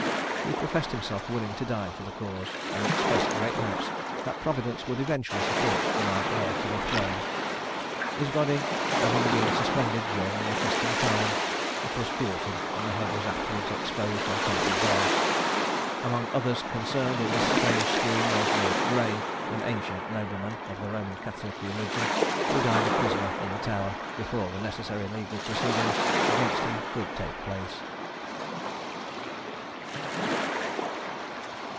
He professed himself willing to die for the cause, and expressed great hopes that Providence would eventually support the right heir to the throne. His body having been suspended during the accustomed time, it was quartered, and the head was afterwards exposed on Temple Bar. Among others concerned in this strange scheme was Lord Grey, an ancient nobleman of the Roman Catholic religion, who died a prisoner in the Tower, before the necessary legal proceedings against him could take place.